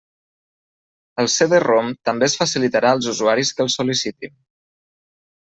El CD-ROM també es facilitarà als usuaris que el sol·licitin.